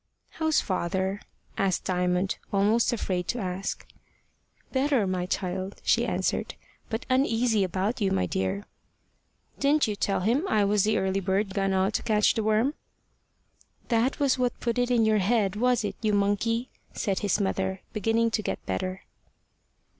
"How's father?" asked Diamond, almost afraid to ask. "Better, my child," she answered, "but uneasy about you, my dear." "Didn't you tell him I was the early bird gone out to catch the worm?" "That was what put it in your head, was it, you monkey?" said his mother, beginning to get better.